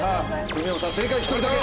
冨山さん正解１人だけ。